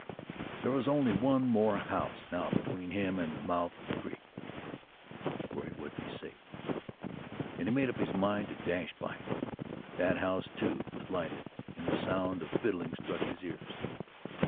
There was only one more house now between him and the mouth of the creek, where he would be safe, and he made up his mind to dash by it. That house, too, was lighted and the sound of fiddling struck his ears.